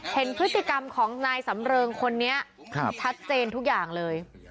เห็นพฤติกรรมของนายสำเริงคนนี้ชัดเจนทุกอย่างเลย